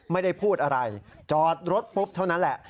ไม่ได้พูดอะไรจอดรถปุ๊บเท่านั้นแหละ